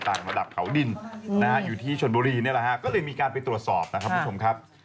ต่างระดับเขาดินนะฮะอยู่ที่ชนบุรีนี่แหละฮะก็เลยมีการไปตรวจสอบนะครับคุณผู้ชมครับ